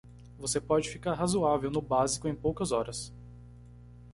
Você pode ficar razoável no básico em poucas horas.